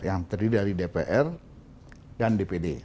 yang terdiri dari dpr dan dpd